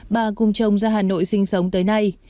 bà cùng chồng ra hà nội sinh sống tới nay